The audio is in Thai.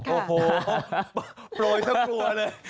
โอ้โหโปรยทั้งกลัวเลย